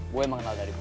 gue emang kenal dari boy